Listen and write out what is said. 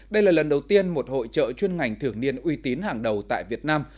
đây là lần đầu tiên một hội trợ chuyên ngành thường niên uy tín hàng đầu tại việt nam